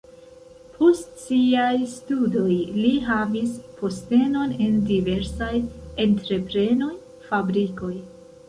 Post siaj studoj li havis postenon en diversaj entreprenoj, fabrikoj.